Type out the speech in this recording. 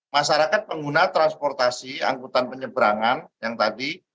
masyarakat pengguna transportasi angkutan penyeberangan yang tadi